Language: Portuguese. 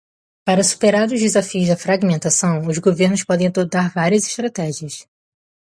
Para superar os desafios da fragmentação, os governos podem adotar várias estratégias.